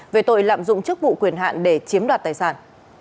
về tội lạm dụng chức vụ quyền hạn để chiếm đoạt tài sản